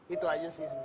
itu aja sih sebenernya